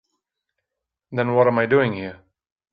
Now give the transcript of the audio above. Then what am I doing here?